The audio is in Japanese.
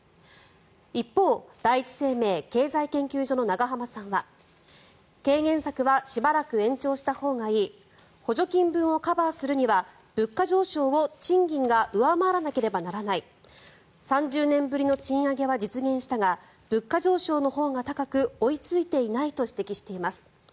一方、第一生命経済研究所の永濱さんは軽減策はしばらく延長したほうがいい補助金分をカバーするには物価上昇を賃金が上回らなければならない３０年ぶりの賃上げは実現したが物価上昇のほうが高く追いついていないと指摘しています。